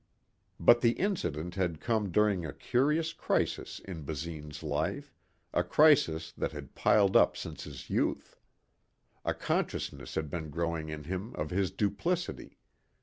But the incident had come during a curious crisis in Basine's life, a crisis that had piled up since his youth. A consciousness had been growing in him of his duplicity.